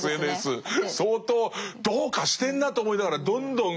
相当どうかしてんなと思いながらどんどん何かを期待しちゃう。